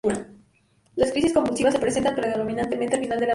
Las crisis convulsivas se presentan predominantemente al final de la noche.